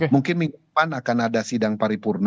mungkin minggu depan akan ada sidang paripurna